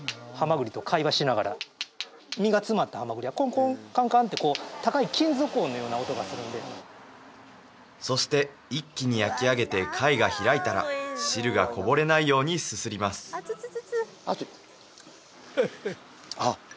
蛤と会話しながら身が詰まった蛤はコンコンカンカンってこう高い金属音のような音がするんでそして一気に焼き上げて貝が開いたら汁がこぼれないようにすすります熱っ！